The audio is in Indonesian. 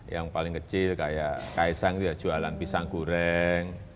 yang paling kecil kayak kaisang itu ya jualan pisang goreng